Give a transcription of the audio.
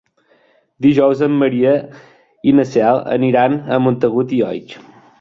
Dijous en Maria i na Cel aniran a Montagut i Oix.